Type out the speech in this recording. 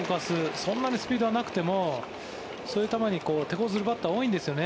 そんなにスピードはなくてもそういう球に手こずるバッター多いんですよね。